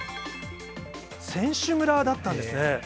選手村だったんですね。